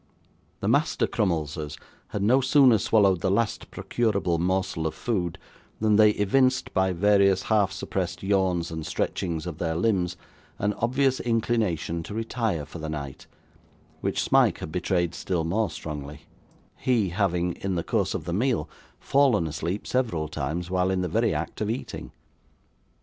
The Master Crummleses had no sooner swallowed the last procurable morsel of food, than they evinced, by various half suppressed yawns and stretchings of their limbs, an obvious inclination to retire for the night, which Smike had betrayed still more strongly: he having, in the course of the meal, fallen asleep several times while in the very act of eating.